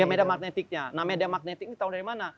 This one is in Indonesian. ya meda magnetiknya nah media magnetik ini tahu dari mana